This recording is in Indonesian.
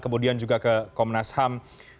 kemudian juga ke komnas ham